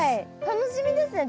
楽しみですね